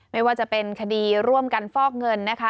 ไม่ว่าจะเป็นคดีร่วมกันฟอกเงินนะคะ